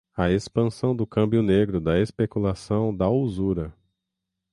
a expansão do cambio negro, da especulação, da usura